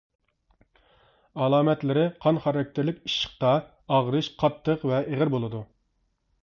ئالامەتلىرى قان خاراكتېرلىك ئىششىقتا ئاغرىش قاتتىق ۋە ئېغىر بولىدۇ.